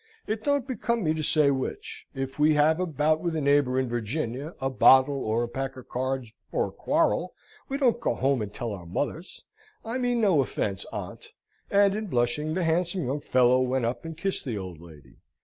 "It don't become me to say which. If we have a bout with a neighbour in Virginia, a bottle, or a pack of cards, or a quarrel, we don't go home and tell our mothers. I mean no offence, aunt!" And, blushing, the handsome young fellow went up and kissed the old lady.